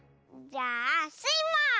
じゃあスイも！